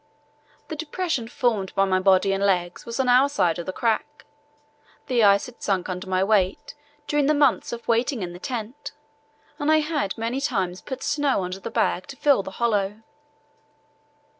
The depression formed by my body and legs was on our side of the crack. The ice had sunk under my weight during the months of waiting in the tent, and I had many times put snow under the bag to fill the hollow.